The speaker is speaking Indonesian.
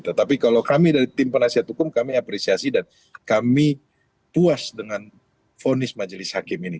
tetapi kalau kami dari tim penasihat hukum kami apresiasi dan kami puas dengan vonis majelis hakim ini